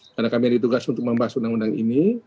karena kami ditugas untuk membahas undang undang ini